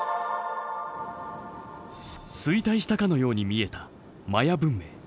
衰退したかのように見えたマヤ文明。